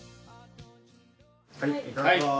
はいいただきます。